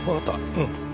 うん。